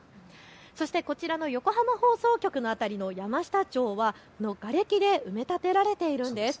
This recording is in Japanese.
そしてこちらの横浜放送局辺りの山下町はがれきで埋め立てられているんです。